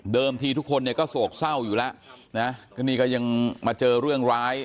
ทีทุกคนเนี่ยก็โศกเศร้าอยู่แล้วนะก็นี่ก็ยังมาเจอเรื่องร้าย